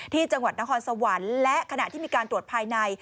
ที่จังหวัดนครสวรรค์และขณะที่มีการตรวจภายใน